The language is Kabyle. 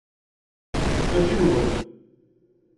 Mačči nwen.